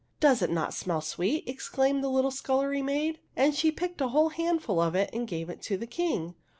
" Does it not smell sweet ?" exclaimed the little scullery maid, and she picked a whole handful of it and gave it to the King.